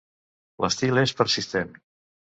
L'estil és persistent.